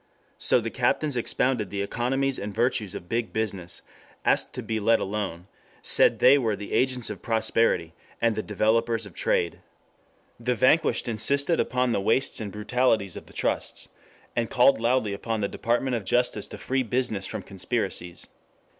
So the captains expounded the economies and virtues of big business, asked to be let alone, said they were the agents of prosperity, and the developers of trade. The vanquished insisted upon the wastes and brutalities of the trusts, and called loudly upon the Department of Justice to free business from conspiracies.